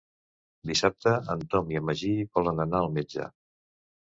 Dissabte en Tom i en Magí volen anar al metge.